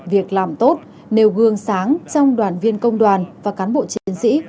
việc làm tốt nêu gương sáng trong đoàn viên công đoàn và cán bộ chiến sĩ